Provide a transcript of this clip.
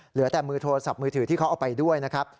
เหลือแต่มือโทรศัพท์มือถือที่เขาเอาไปด้วยนะครับ